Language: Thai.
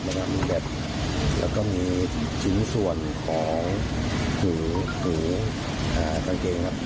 มันก็มีแบบแล้วก็มีชิ้นส่วนของขือขืออ่ากางเกงครับ